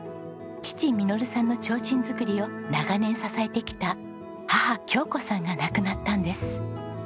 父實さんの提灯作りを長年支えてきた母京子さんが亡くなったんです。